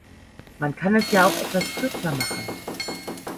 Man kann es ja auch etwas kürzer machen.